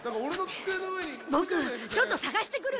ボクちょっと捜してくる！